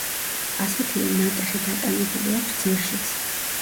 ასეთივე ნატეხი დატანებული აქვს ძირშიც.